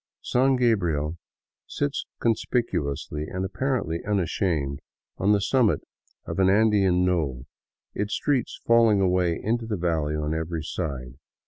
San Gabriel sits conspicuously, and apparently unashamed, on the summit of an Andean knoll, its streets falling away into the valley on every side.